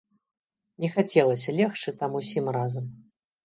Не хацелася легчы там усім разам.